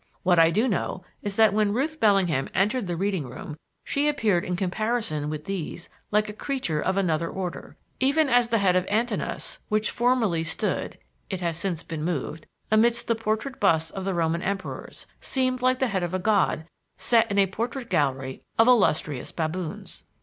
What I do know is that when Ruth Bellingham entered the reading room she appeared in comparison with these like a creature of another order; even as the head of Antinous, which formerly stood (it has since been moved) amidst the portrait busts of the Roman Emperors, seemed like the head of a god set in a portrait gallery of illustrious baboons.